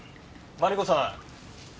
マリコさん。